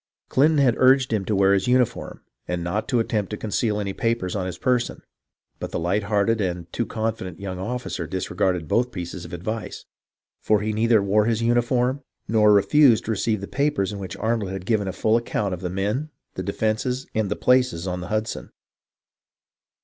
Clinton had urged him to wear his uniform, and not to attempt to con ceal any papers on his person ; but the light hearted and too confident young officer disregarded both pieces of advice, for he neither wore his uniform nor refused to receive the papers in which Arnold had given a full ac count of the men, the defences, and the places on the Hudson.